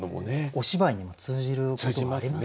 お芝居にも通じることがありますよね。